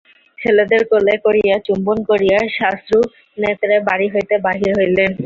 ছেলেদের কোলে করিয়া চুম্বন করিয়া সাশ্রুনেত্রে বাড়ি হইতে বাহির হইলেন।